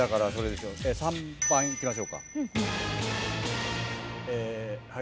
３番いきましょうか。